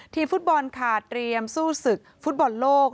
ทีมฟุตบอลค่ะเรียมสู้ศึกภุตบอลโลค